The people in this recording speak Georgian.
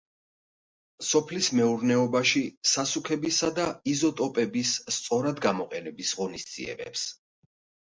სოფლის მეურნეობაში სასუქებისა და იზოტოპების სწორად გამოყენების ღონისძიებებს.